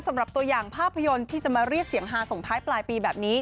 สำหรับตัวอย่างภาพยนตร์ที่จะมาเรียกเสียงฮาส่งท้ายปลายปีแบบนี้